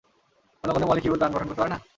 অন্য কোনো মলিকিউল প্রাণ গঠন করতে পারে না?